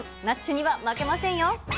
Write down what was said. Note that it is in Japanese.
ナッチには負けませんよ。